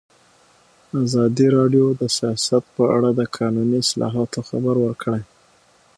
ازادي راډیو د سیاست په اړه د قانوني اصلاحاتو خبر ورکړی.